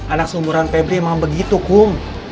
anak seumuran febri memang begitu kum